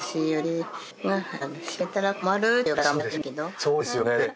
そうですよね。